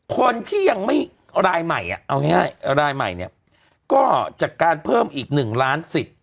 คนที่ยังไม่รายใหม่อ่ะเอาง่ายรายใหม่เนี่ยก็จากการเพิ่มอีก๑ล้านสิทธิ์